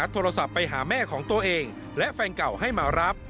โทรศัพท์ไปหาแม่ของตัวเองและแฟนเก่าให้มารับ